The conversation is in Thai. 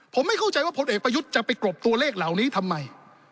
ผมไม่เข้าใจว่าพลเอกประยุทธ์จะไปกรบตัวเลขเหล่านี้ทำไม